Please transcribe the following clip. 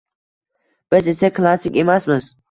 Biz esa klassik emasmiz